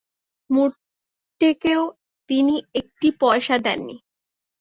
মুটেকেও তিনি এক পয়সা দেন নি।